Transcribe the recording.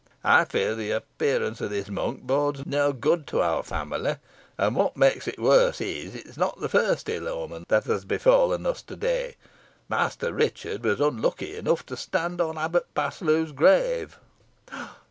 I fear the appearance of this monk bodes no good to our family; and what makes it worse is, it is not the first ill omen that has befallen us to day, Master Richard was unlucky enough to stand on Abbot Paslew's grave!"